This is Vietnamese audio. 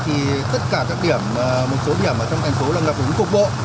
tất cả các điểm một số điểm trong thành phố ngập uống cục bộ